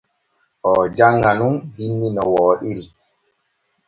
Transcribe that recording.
Oo janŋa nun binni no wooɗiri.